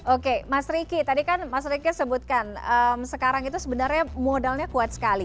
oke mas riki tadi kan mas riki sebutkan sekarang itu sebenarnya modalnya kuat sekali